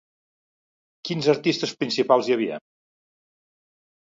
Quins artistes principals hi havia?